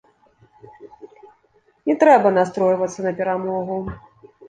Не трэба настройвацца на перамогу.